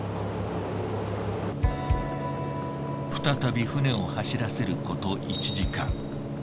再び船を走らせること１時間。